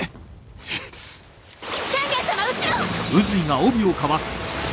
・天元さま後ろ！